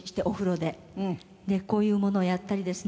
でこういうものをやったりですね